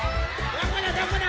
どこだどこだ？